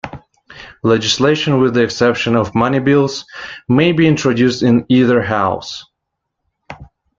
Legislation, with the exception of money bills, may be introduced in either House.